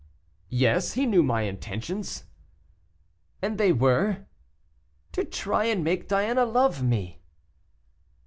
"Yes, he knew my intentions." "And they were?" "To try and make Diana love me."